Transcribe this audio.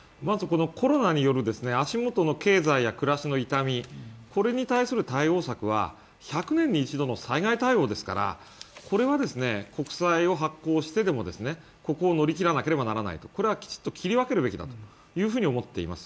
コロナによる足元の経済や暮らしの痛み、これに対する対応策は１００年に１度の災害対応ですからこれは国債を発行してでも、ここを乗り切らなければならないとこれはきちっと切り分けるべきだというふうに思っております。